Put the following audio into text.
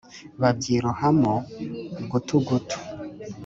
Babyirohamo gutugutu